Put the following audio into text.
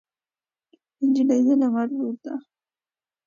نجلۍ د لمر لور ده.